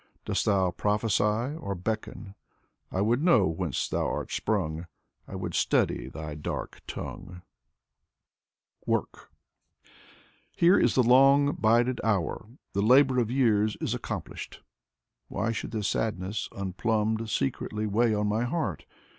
Dost thou prophesy or beckon ? I would know whence thou art sprung, I would study thy dark tongue ••• Alexander Pushkin II WORK Here is the long bided hour : the labor of years is accom plished. Why should this sadness unplumbed secretly weigh on my heart?